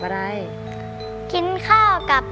เพลงเก่งของคุณครับ